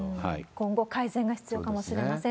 今後改善が必要かもしれません。